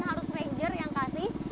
harus ranger yang kasih